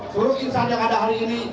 seluruh insan yang ada hari ini